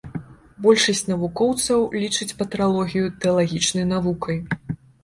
Большасць навукоўцаў лічыць патралогію тэалагічнай навукай.